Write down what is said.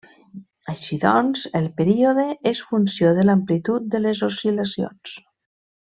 Així doncs, el període és funció de l'amplitud de les oscil·lacions.